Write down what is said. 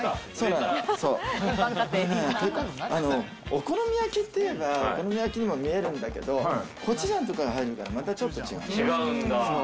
お好み焼きって言えば、お好み焼きにも見えるんだけど、コチュジャンとかが入るから、またちょっと違う。